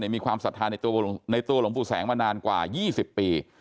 มีความศรัทธาในตัวหลวงปู่แสงมานานกว่า๒๐ปี